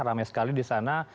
ramai sekali di sana